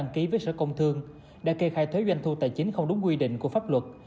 ký với sở công thương đã kê khai thuế doanh thu tài chính không đúng quy định của pháp luật